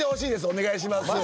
お願いします。